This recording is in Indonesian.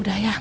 udah ya mau